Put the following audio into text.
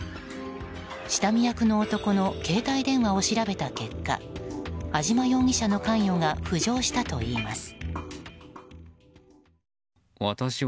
下見役の男の携帯電話を調べた結果安島容疑者の関与が浮上したといいます。